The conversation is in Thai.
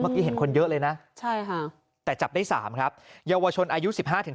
เมื่อกี้เห็นคนเยอะเลยนะแต่จับได้๓ครับเยาวชนอายุ๑๕